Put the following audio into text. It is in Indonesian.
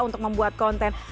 untuk membuat konten